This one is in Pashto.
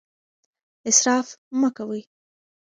اسراف مه کوئ.